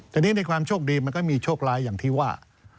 แต่นี่ในความโชคดีมันก็มีโชคร้ายอย่างที่ว่า